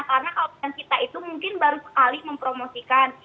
karena kalau kita itu mungkin baru sekali mempromosikan